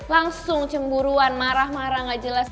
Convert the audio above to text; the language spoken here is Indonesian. langsung cemburuan marah marah nggak jelas